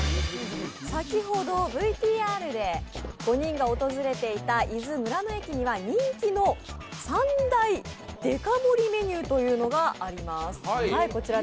先ほどＶＴＲで５人が訪れていた伊豆・村の駅には人気の３大デカ盛りメニューがあります。